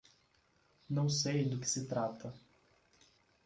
Não sei do que se trata.